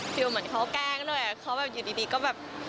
เหมือนเขาแกล้งด้วยเขาแบบอยู่ดีก็แบบ